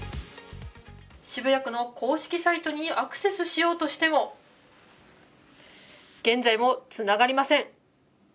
渋谷区の公式サイトにアクセスしようとしても、現在もつながりません。